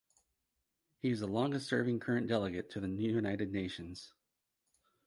He is the longest serving current delegate to the United Nations.